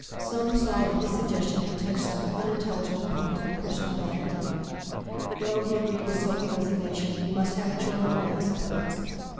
Soames saw that his suggestion had touched some unintelligible point of personal vanity. "Well," he agreed, with sulky resignation; "you must have it your own way, I suppose."